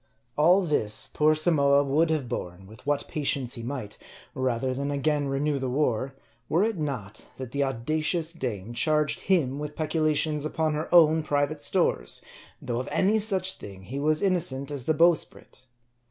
All this, poor Samoa would have borne with what patience he might, rather than again renew the war, were it not, that the audacious dame charged him with peculations upon her own private stores ; though of any such thing he was innocent as the bowsprit.